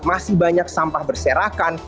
masih banyak sampah berserakan